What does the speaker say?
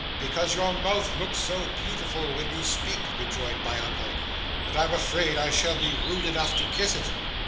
'"Because your mouth looks so beautiful when you speak," rejoined my uncle, "that I'm afraid I shall be rude enough to kiss it."